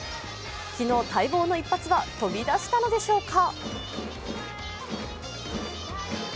昨日、待望の一発は飛び出したのでしょうか。